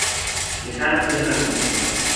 Lejana tierra mía.